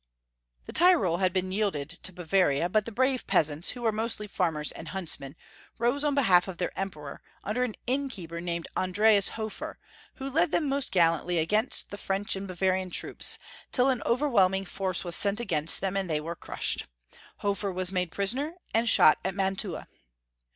Interregnum. 447 The Tyrol had been yielded to Bavaria, but the brave peasants, who were mostly farmers and huntsmen, rose on behalf of their Emperor, under an inn keeper named Andreas Hofer, who led them most gallantly against the French and Bavarian troops, till an overwhelming force was sent against them, and they were crushed. Hofer was made prisoner, and shot at Mantua.